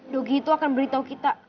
dogi itu akan beritahu kita